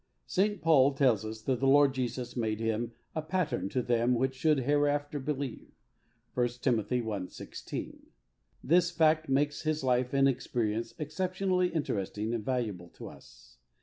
5 T. PAUL tells us that the Lord Jesus made him '' a pattern to them which should hereafter believe (i Tim.\, 1 6). This fact makes his life and experience exceptionally interesting and valuable to us.